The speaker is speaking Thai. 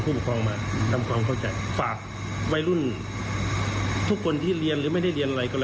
พร้อมโดยตำรวจที่เกี่ยวข้อง